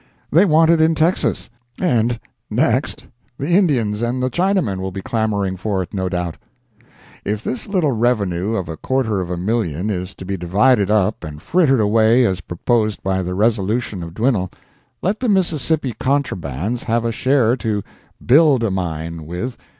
They want it in Texas, and next the Indians and the Chinamen will be clamoring for it, no doubt. If this little revenue of a quarter of a million is to be divided up and frittered away as proposed by the resolution of Dwinelle, let the Mississippi contrabands have a share to "build a mine" with.